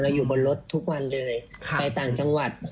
อยู่บนรถทุกวันเลยไปต่างจังหวัด